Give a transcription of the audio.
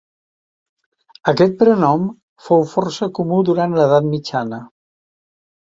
Aquest prenom fou força comú durant l'edat mitjana.